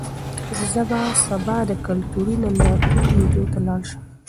زه به سبا د کلتوري نندارتون لیدو ته لاړ شم.